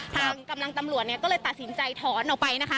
กำลังตำรวจเนี่ยก็เลยตัดสินใจถอนออกไปนะคะ